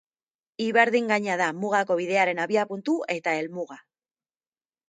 Ibardin gaina da Mugako Bidearen abiapuntu eta helmuga.